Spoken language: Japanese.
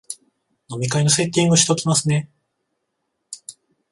飲み会のセッティングしときますね